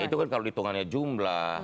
itu kan kalau hitungannya jumlah